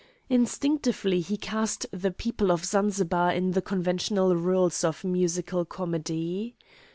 Instinctively he cast the people of Zanzibar in the conventional roles of musical comedy.